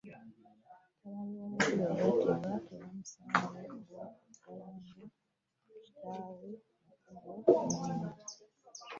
Mutabani wa Bukulu ayitibwa Taamusange, olw’okuggalanga kitaawe Bukulu n’omuyingo.